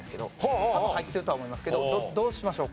多分入ってるとは思いますけどどうしましょう？